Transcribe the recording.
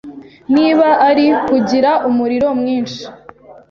Niba ari kugira umuriro mwinshi